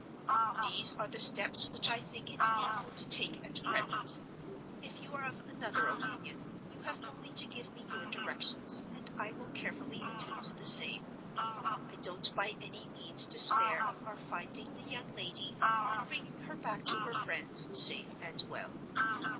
"These are the steps which I think it needful to take at present. If you are of another opinion, you have only to give me your directions, and I will carefully attend to the same. I don't by any means despair of our finding the young lady and bringing her back to her friends safe and well.